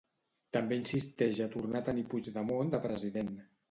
També insisteix a tornar a tenir Puigdemont de president.